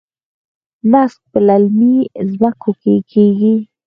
نسک په للمي ځمکو کې کیږي.